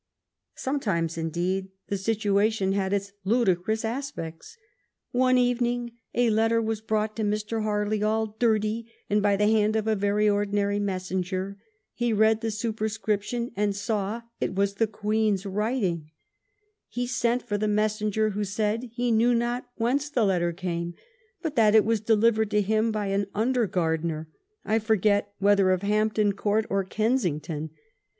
Sometimes, indeed, the situation had its ludicrous aspects. '^ One evening, a letter was brought to Mr. Harley, all dirty, and by the hand of a very ordinary messenger; he read the superscription, and saw it was the Queen's writing; he sent for the messenger, who said, he knew not whence the letter came, but that it was delivered 8S0 JONATHAN SWIFT'S VIEWS him by an under gardener, I forgot whether of Hamp ton Court or Kensington.